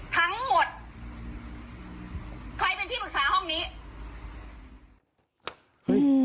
ทั้งหมดใครเป็นที่ปรึกษาห้องนี้เฮ้ย